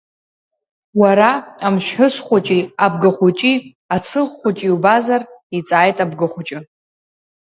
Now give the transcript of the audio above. Уара, амшәҳәыс хәыҷи, абгахәыҷи, ацыӷ хәыҷи убазар, иҵааит абгахәыҷы.